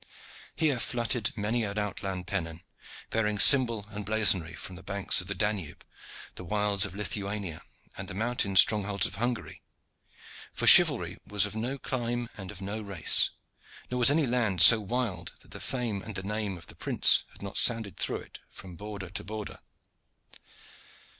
Here fluttered many an outland pennon, bearing symbol and blazonry from the banks of the Danube, the wilds of Lithuania and the mountain strongholds of Hungary; for chivalry was of no clime and of no race, nor was any land so wild that the fame and name of the prince had not sounded through it from border to border.